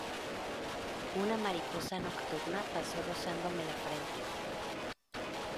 Una mariposa nocturna pasó rozándome la frente.